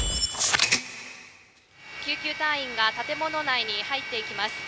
救急隊員が建物内に入っていきます。